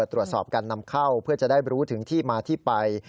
ตรวจสอบการนำเข้าเพื่อจะได้รู้ถึงที่มาที่ไป